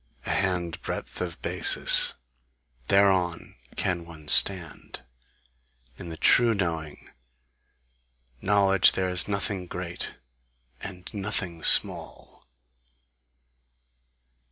A handbreadth of basis: thereon can one stand. In the true knowing knowledge there is nothing great and nothing small."